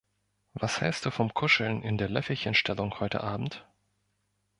Was hältst du vom Kuscheln in der Löffelchenstellung heute Abend?